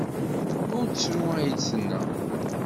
Ur ttru, ay d-tenna.